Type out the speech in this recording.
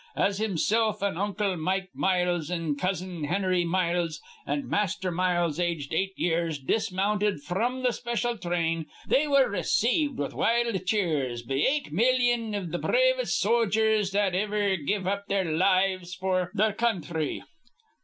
As himsilf an' Uncle Mike Miles, an' Cousin Hennery Miles, an' Master Miles, aged eight years, dismounted fr'm th' specyal train, they were received with wild cheers be eight millyon iv th' bravest sojers that iver give up their lives f'r their counthry.